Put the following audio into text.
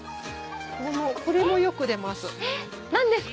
これもよく出ます。